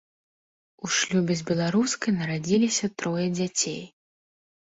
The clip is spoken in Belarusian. У шлюбе з беларускай нарадзіліся трое дзяцей.